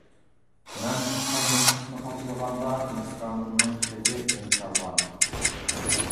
مەن خەت نۇسخىسىنى قاچىلىغاندا مىسرانىمنىڭ خېتى ئوڭشالغان.